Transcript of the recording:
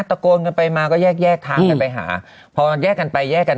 ตะโกนกันไปมาก็แยกแยกทางกันไปหาพอแยกกันไปแยกกัน